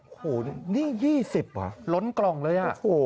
โอ้โหนี่๒๐ว่ะล้นกล่องเลยอ่ะ